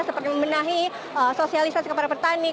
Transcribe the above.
seperti membenahi sosialisasi kepada petani